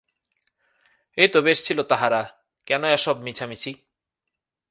এই তো বেশ ছিল তাহারা, কেন এসব মিছামিছি।